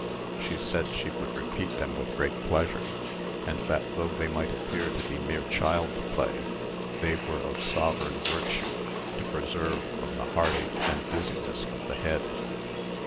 She said she would repeat them with great pleasure; and that though they might appear to be mere child's play, they were of sovereign virtue to preserve from the heartache and dizziness of the head.